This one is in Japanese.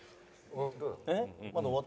えっ？